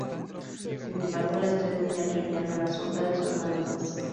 Sin embargo, las tres niñas vivían a la sombra de su hermano Luis.